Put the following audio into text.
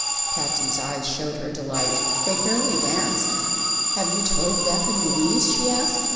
Patsy's eyes showed her delight. They fairly danced. "Have you told Beth and Louise?" she asked.